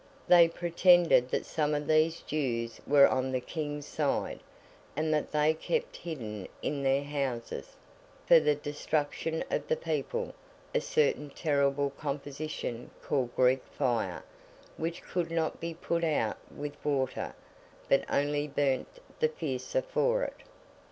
They pretended that some of these Jews were on the King's side, and that they kept hidden in their houses, for the destruction of the people, a certain terrible composition called Greek Fire, which could not be put out with water, but only burnt the fiercer for it.